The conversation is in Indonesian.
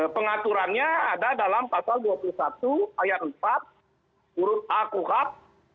pengaturannya ada dalam pasal dua puluh satu ayat empat huruf a kuhab